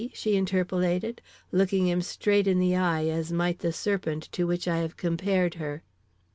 she interpolated, looking him straight in the eye as might the serpent to which I have compared her.